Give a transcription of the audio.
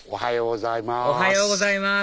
おはようございます。